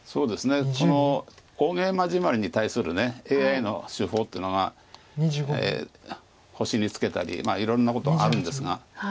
この大ゲイマジマリに対するＡＩの手法というのが星にツケたりいろんなことがあるんですが。